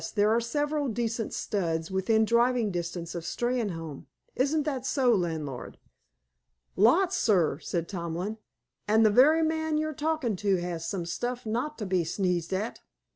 There are several decent studs within driving distance of Steynholme. Isn't that so, landlord?" "Lots, sir," said Tomlin. "An' the very man you're talkin' to has some stuff not to be sneezed at."